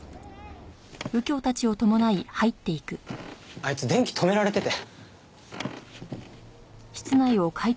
あいつ電気止められてて。